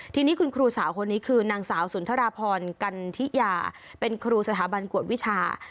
ทีนี้คุณครูสาวคนนี้คือนางสาวสุนทราพรกันทิยาเป็นครูสถาบันกวดวิชา